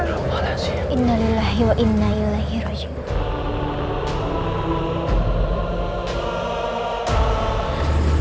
kamu akan mendapatkan glass barrage sampai kau megang